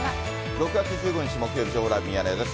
６月１５日木曜日、情報ライブミヤネ屋です。